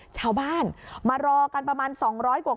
ชาวบ้านมารอกันประมาณ๒๐๐กว่า